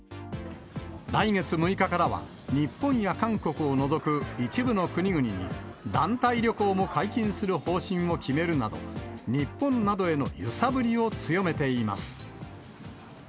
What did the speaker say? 来月６日からは、日本や韓国を除く一部の国々に、団体旅行も解禁する方針を決めるなど、日本などへの揺さぶりを強めています。